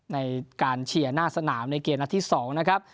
ในการเชียร์หน้าสนามในเกมนัดที่๒นะครับ